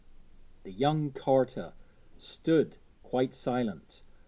The young carter stood quite silent.